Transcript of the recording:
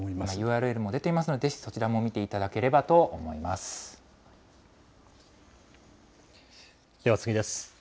ＵＲＬも出ていますので、ぜひそちらも見ていただければと思では次です。